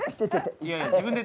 いやいや自分で。